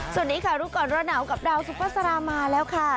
สวัสดีค่ะรู้ก่อนร้อนหนาวกับดาวสุภาษามาแล้วค่ะ